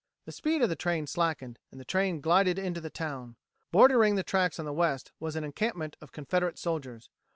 The speed of the train slackened, and the train glided into the town. Bordering the tracks on the west was an encampment of Confederate soldiers.